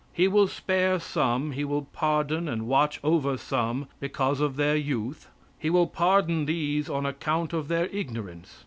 He will spare some; he will pardon and watch over some because of their youth; he will pardon these on account of their ignorance.